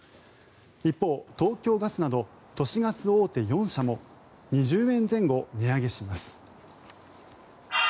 一方、東京ガスなど都市ガス大手４社も２０円前後値上げします。